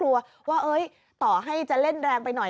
กลัวว่าต่อให้จะเล่นแรงไปหน่อย